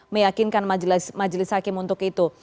meyakinkan majelis hakim untuk itu